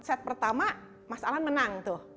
set pertama mas alan menang tuh